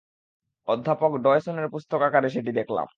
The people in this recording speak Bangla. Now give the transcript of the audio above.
অধ্যাপক ডয়সনের পুস্তকাগারে সেটি দেখলাম।